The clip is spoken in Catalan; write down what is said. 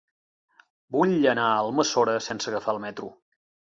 Vull anar a Almassora sense agafar el metro.